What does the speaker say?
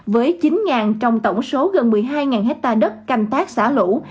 với chín trong tổng số gần một mươi hai hectare đất canh tác xả lũ